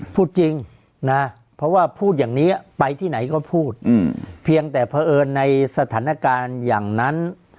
พูดจริงนะเพราะว่าพูดอย่างนี้ไปที่ไหนก็พูดเพียงแต่เผอิญในสถานการณ์อย่างนั้น